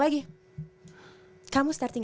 lagi kamu starting